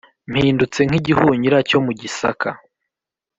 Mpindutse nkigihunyira cyo mu gisaka